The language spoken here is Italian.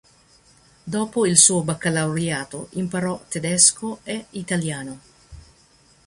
Dopo il suo baccalaureato, imparò tedesco e italiano.